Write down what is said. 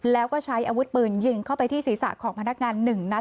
แล้วก็ใช้อาวุธปืนยิงเข้าไปที่ศีรษะของพนักงาน๑นัด